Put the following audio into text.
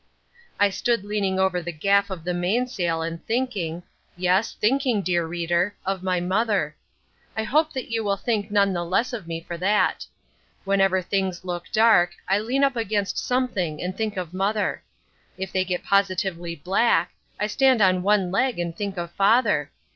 I stood leaning over the gaff of the mainsail and thinking—yes, thinking, dear reader, of my mother. I hope that you will think none the less of me for that. Whenever things look dark, I lean up against something and think of mother. If they get positively black, I stand on one leg and think of father.